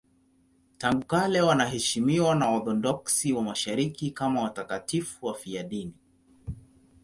Tangu kale wanaheshimiwa na Waorthodoksi wa Mashariki kama watakatifu wafiadini.